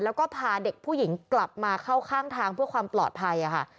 แล้วก็พาเด็กผู้หญิงกลับมาเข้าข้างทางเพื่อความปลอดภัยค่ะ